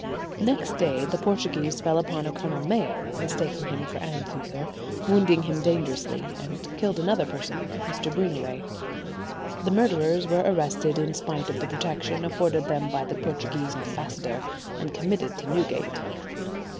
Next day the Portuguese fell upon a Colonel Mayo, mistaking him for Anthuser, wounded him dangerously, and killed another person, Mr. Greenaway. The murderers were arrested in spite of the protection afforded them by the Portuguese ambassador and committed to Newgate.